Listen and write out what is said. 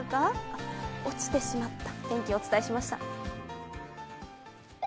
あっ、落ちてしまった。